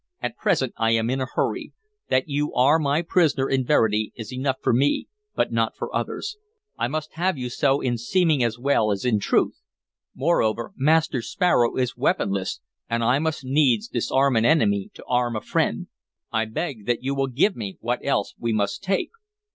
"At present I am in a hurry. That you are my prisoner in verity is enough for me, but not for others. I must have you so in seeming as well as in truth. Moreover, Master Sparrow is weaponless, and I must needs disarm an enemy to arm a friend. I beg that you will give what else we must take."